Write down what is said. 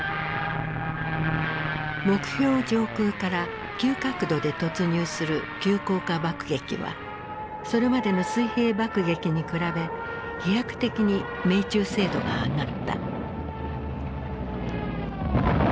目標上空から急角度で突入する急降下爆撃はそれまでの水平爆撃に比べ飛躍的に命中精度が上がった。